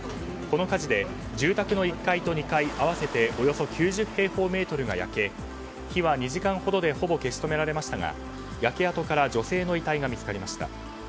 この火事で、住宅の１階と２階合わせて９０平方メートルが焼け火は２時間ほどでほぼ消し止められましたが焼け跡から女性の遺体が見つかりました。